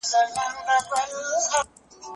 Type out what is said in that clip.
هغه مهال چې ونې وکرل شي، هوا به ککړه نه شي.